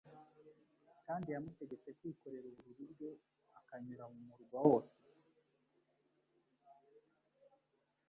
kandi yamutegetse kwikorera uburiri bwe akanyura mu murwa wose